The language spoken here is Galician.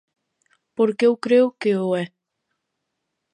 Porque eu creo que o é.